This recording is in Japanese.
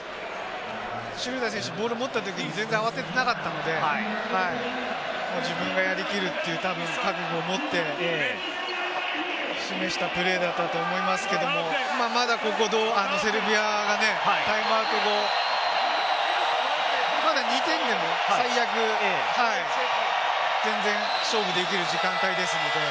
シュルーダー選手、ボールを持ったときに全然、慌ててなかったので、自分がやり切るという覚悟を持って示したプレーだったと思いますけれども、まだここセルビアはね、タイムアウト後、まだ２点でも最悪、全然、勝負できる時間帯ですので。